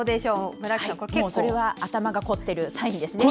結構頭が凝ってるサインですね。